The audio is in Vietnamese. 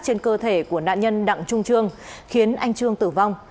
trên cơ thể của nạn nhân đặng trung trương khiến anh trương tử vong